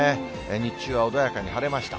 日中は穏やかに晴れました。